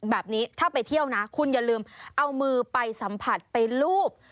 แบบนี้ถ้าไปเที่ยวนะคุณอย่าลืมเอามือไปสัมผัสไปลูบ